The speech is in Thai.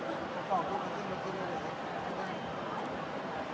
สวัสดีครับ